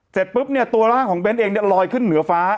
เสร็จปุ๊บเนี่ยตัวร่างของเบ้นเองเนี่ยลอยขึ้นเหนือฟ้า